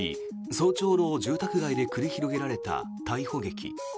早朝の住宅街で繰り広げられた逮捕劇。